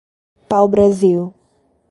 Pau Brasil